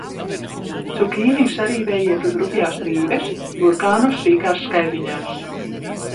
Cukīni sarīvējiet uz rupjās rīves, burkānus – sīkās skaidiņās.